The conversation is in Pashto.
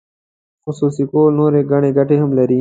خصوصي کول نورې ګڼې ګټې هم لري.